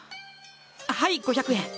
はい５００円。